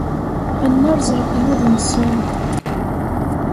Ad nerẓ leqyud-nsen.